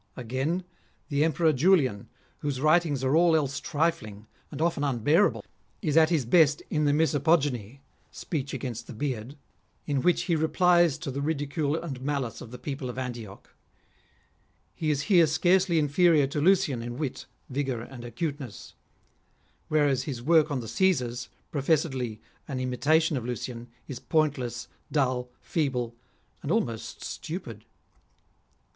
Again, the Emperor Julian, whose writings are all else trifling, and often unbearable, is at his best in the " Misopogony " (speech ag.^inst the beard), in which he replies to the ridicule and malice of the people of PHILIP OTTONIERL . 137 Antioch. He is here scarcely inferior to Lucian in wit, vigour, and acuteness ; whereas his work on the Caesars, professedly an imitation of Lucian, is pointless, dull, feeble, and almost stupid.